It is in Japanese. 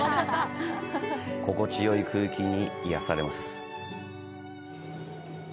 心地よい空気に癒やされます。